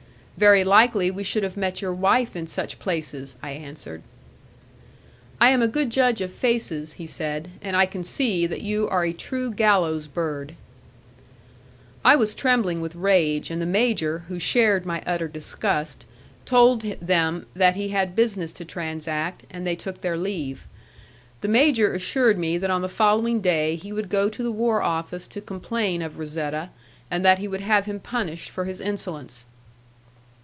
"Very likely we should have met your wife in such places," I answered. "I am a good judge of faces," he said, "and I can see that you are a true gallows bird." I was trembling with rage, and the major, who shared my utter disgust, told them that he had business to transact, and they took their leave. The major assured me that on the following day he would go to the war office to complain of Razetta, and that he would have him punished for his insolence.